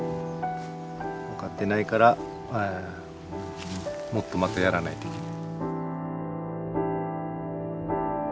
分かってないからもっとまたやらないといけない。